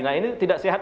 nah ini tidak sehat